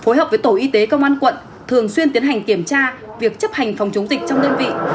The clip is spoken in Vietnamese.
phối hợp với tổ y tế công an quận thường xuyên tiến hành kiểm tra việc chấp hành phòng chống dịch trong đơn vị